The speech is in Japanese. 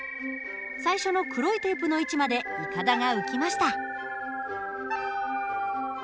最初の黒いテープの位置までいかだが浮きました。